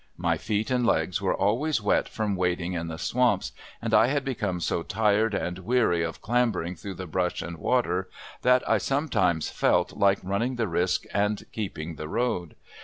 My feet and legs were always wet from wading in the swamps, and I had become so tired and weary of clambering through the brush and water, that I sometimes felt like running the risk and keeping the road.